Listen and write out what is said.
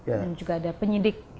ada jaksa dan juga ada penyidik